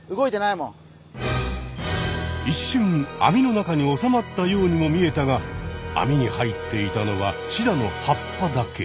いっしゅんあみの中に収まったようにも見えたがあみに入っていたのはシダの葉っぱだけ。